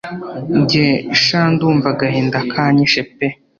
njye sha ndumva agahinda kanyishe pe